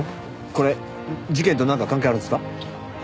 これ事件となんか関係あるんですか？